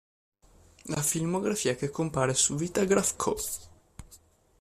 La filmografia che compare su "Vitagraph Co.